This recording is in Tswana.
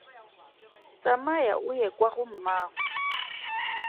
Tsamaya o ye kwa go mmaago.